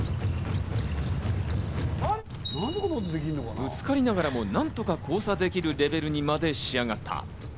ぶつかりながらも何とか交差できるレベルにまで仕上がった。